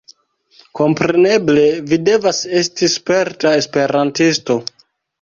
Kompreneble, vi devas esti sperta esperantisto